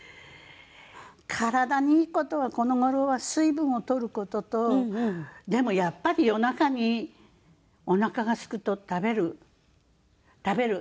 体にいい事はこのごろは水分をとる事とでもやっぱり夜中におなかがすくと食べる食べる。